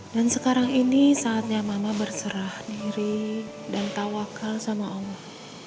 dan sekarang ini saatnya mama berserah diri dan tawakal sama allah